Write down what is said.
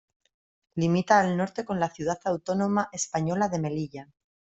Limita al norte con la ciudad autónoma española de Melilla.